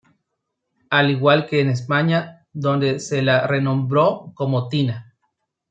Al igual que en España donde se la renombró como "Tina".